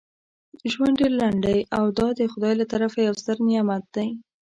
ژوند ډیر لنډ دی او دا دخدای له طرفه یو ستر نعمت دی.